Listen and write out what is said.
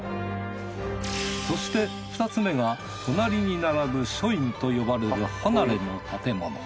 そして２つ目が隣に並ぶ書院と呼ばれる離れの建物。